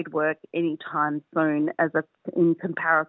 tentang peluang dalam perusahaan